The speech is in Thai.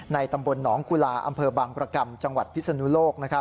ตำบลหนองกุลาอำเภอบังรกรรมจังหวัดพิศนุโลก